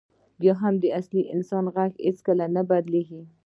بیا هم د اصلي انسان غږ هېڅکله نه بدلېږي.